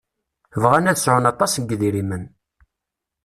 Bɣan ad sɛun aṭas n yedrimen.